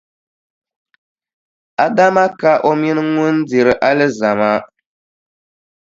Adama ka o mini ŋun diri alizama.